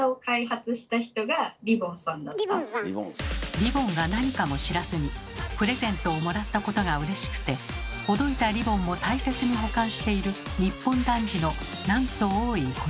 リボンが何かも知らずにプレゼントをもらったことがうれしくてほどいたリボンも大切に保管している日本男児のなんと多いことか。